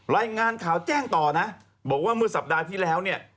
รายงานข่าวแจ้งต่อนะบอกว่าเมื่อสัปดาห์ที่แล้วเนี่ย